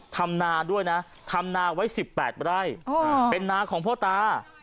ทำนาด้วยนะทำนาไว้๑๘ไร่เป็นนาของพ่อตา